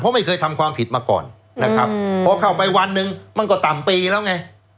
เพราะไม่เคยทำความผิดมาก่อนนะครับพอเข้าไปวันหนึ่งมันก็ต่ำปีแล้วไง